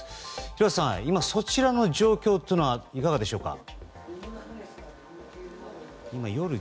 廣瀬さん、そちらの状況はいかがでしょうか？